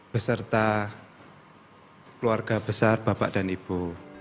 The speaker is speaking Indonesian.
beserta keluarga besar bapak dan ibu